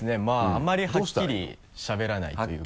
あんまりはっきりしゃべらないというか。